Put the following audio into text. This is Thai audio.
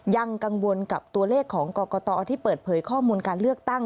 ยังกังวลกับตัวเลขของกรกตที่เปิดเผยข้อมูลการเลือกตั้ง